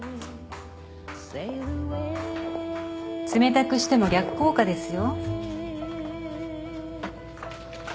冷たくしても逆効果ですよ。